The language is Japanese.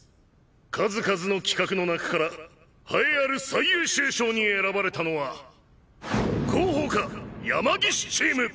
数々の企画の中から栄えある最優秀賞に選ばれたのは広報課山岸チーム！